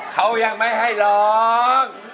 เขายังไม่ให้ร้อง